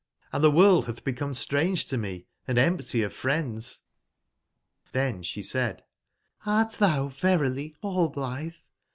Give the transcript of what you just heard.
Hnd theworld hath become strange to me, I and empty of friends "j^tThen she said: ''Hrt thou verily Rallblithe?